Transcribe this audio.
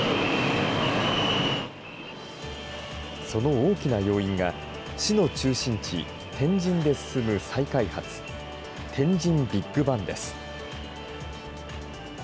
その大きな要因が市の中心地、天神で進む再開発、天神ビッグバンです。